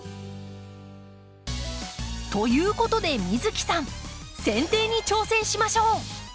ということで美月さんせん定に挑戦しましょう！